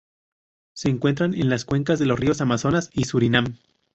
Se encuentran en las cuencas de los ríos Amazonas y Surinam.